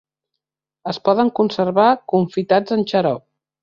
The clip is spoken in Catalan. Es poden conservar confitats en xarop.